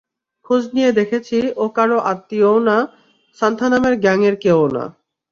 খোঁজ নিয়ে দেখেছি, ও কারো আত্মীয়ও না, সান্থানামের গ্যাং এর কেউও না।